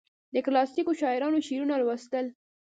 د کلاسیکو شاعرانو شعرونه لوستل.